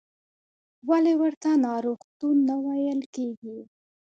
ولې ورته ناروغتون نه ویل کېږي؟